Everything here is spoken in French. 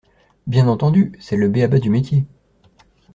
Bien entendu, c’est le b-a ba du métier.